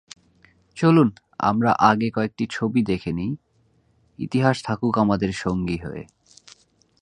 চলুন, আমরা আগে কয়েকটি ছবি দেখে নিই, ইতিহাস থাকুক আমাদের সঙ্গী হয়ে।